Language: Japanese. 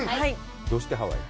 どうしてハワイ？